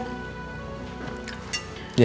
suka mau ngeliat